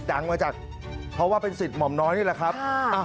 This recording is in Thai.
ดังมาจากเพราะว่าเป็นสิทธิ์หม่อมน้อยนี่แหละครับ